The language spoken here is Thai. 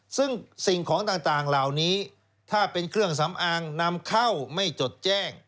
ซึ่งสิ่งของต่างเหล่านี้ถ้าเป็นเครื่องสำอางนำเข้าไม่จดแจ้ง